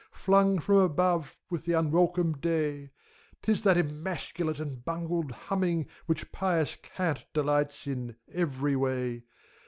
Flung from above with the unwelcome Day; 'T is that emasculate and bungled humming Which Pious Cant delights in, every way.